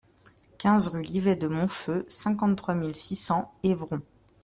quinze rue Livet de Monfeu, cinquante-trois mille six cents Évron